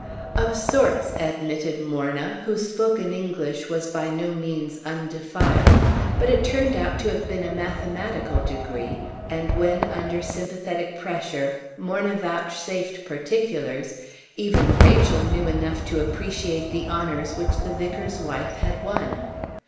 "Of sorts," admitted Morna, whose spoken English was by no means undefiled. But it turned out to have been a mathematical degree; and when, under sympathetic pressure, Morna vouchsafed particulars, even Rachel knew enough to appreciate the honors which the vicar's wife had won.